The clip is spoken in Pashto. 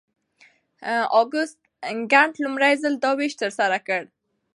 اګوست کنت لومړی ځل دا ویش ترسره کړ.